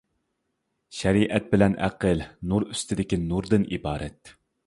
شەرىئەت بىلەن ئەقىل نۇر ئۈستىدىكى نۇردىن ئىبارەت.